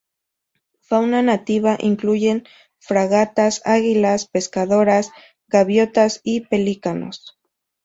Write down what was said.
Fauna nativa incluyen fragatas, águilas pescadoras, gaviotas y pelícanos.